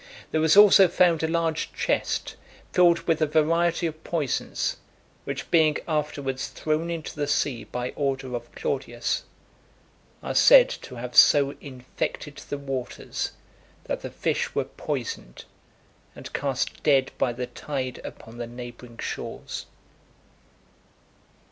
There was also found a large chest, filled with a variety of poisons which being afterwards thrown into the sea by order of Claudius, are said to have so infected the waters, that the fish were poisoned, and cast dead by the tide upon the neighbouring shores.